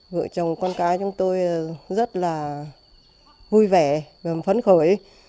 vợ chồng con cái chúng tôi rất là vui vẻ và phấn khởi